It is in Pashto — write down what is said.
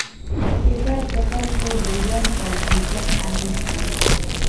اقتصاد د خلکو د ژوند پر کیفیت اغېز کوي.